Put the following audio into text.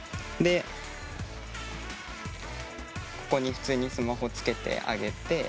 でここに普通にスマホつけてあげて。